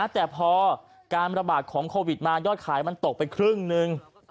แต่พอการระบาดของโควิดมายอดขายมันตกไปครึ่งนึง